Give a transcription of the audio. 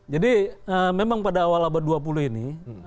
jadi memang pada awal abad dua puluh ini